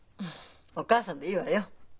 「お母さん」でいいわよ。